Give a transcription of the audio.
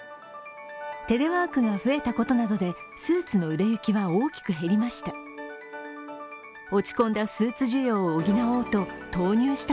テレワークが増えたことなどでスーツの売れ行きは大きく減りました。